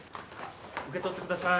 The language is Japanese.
受け取ってください。